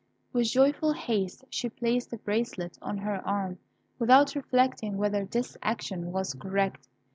With joyful haste she placed the bracelet on her arm, without reflecting whether this action was correct.